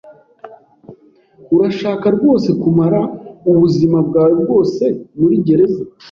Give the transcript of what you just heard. Urashaka rwose kumara ubuzima bwawe bwose muri gereza?